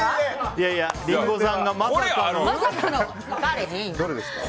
いやいやリンゴさんがまさかの。